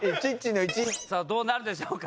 どうなるでしょうか？